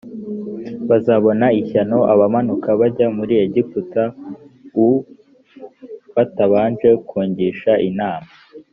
bazabona ishyano abamanuka bajya muri egiputa u batabanje kungisha inama